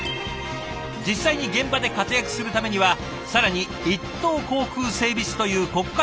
実際に現場で活躍するためには更に一等航空整備士という国家資格が必要。